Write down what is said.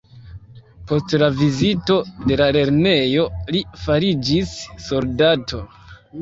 Post la vizito de la lernejo li fariĝis soldato.